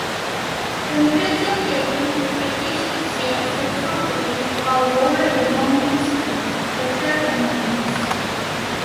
Temperature taking fetish is a sexual fetish for oral thermometers and rectal thermometers.